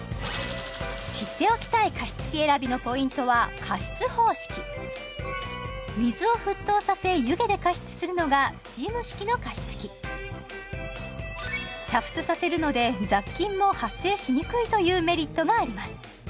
知っておきたい加湿器選びのポイントは加湿方式水を沸騰させ湯気で加湿するのがスチーム式の加湿器というメリットがあります